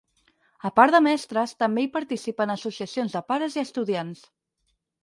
A part de mestres, també hi participen associacions de pares i estudiants.